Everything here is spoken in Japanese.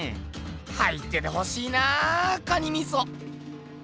入っててほしいな蟹みそ！